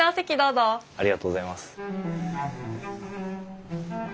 ありがとうございます。